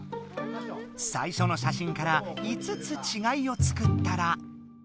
さいしょのしゃしんから５つちがいを作ったら。